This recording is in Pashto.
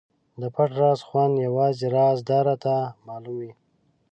د پټ راز خوند یوازې رازدار ته معلوم وي.